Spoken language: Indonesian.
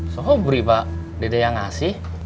sobri pak dede yang ngasih